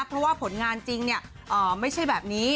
เพราะว่าผลงานจริงไม่ใช่แบบนี้